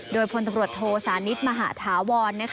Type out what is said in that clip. โดยพลตำรวจโทสานิทมหาธาวร